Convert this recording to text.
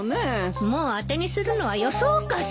もう当てにするのはよそうかしら。